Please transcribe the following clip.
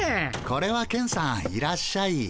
これはケンさんいらっしゃい。